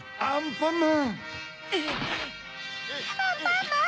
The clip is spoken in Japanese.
アンパンマン！